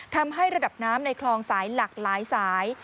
ทำให้ระดับน้ำในคลองสายหลากหลายสาย